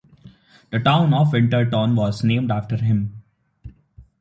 The town of Winterton was named after him.